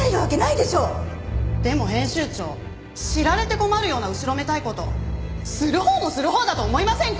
でも編集長知られて困るような後ろめたい事するほうもするほうだと思いませんか？